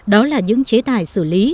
đó là những chế tài xử lý